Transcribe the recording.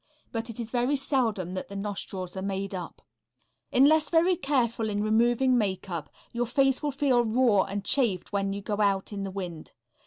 But it is very seldom that the nostrils are made up. Unless very careful in removing makeup, your face will feel raw and chafed when you go out in the wind.